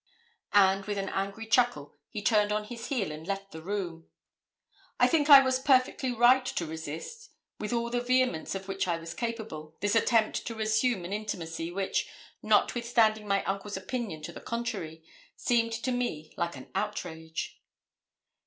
And, with an angry chuckle, he turned on his heel, and left the room. I think I was perfectly right to resist, with all the vehemence of which I was capable, this attempt to assume an intimacy which, notwithstanding my uncle's opinion to the contrary, seemed to me like an outrage.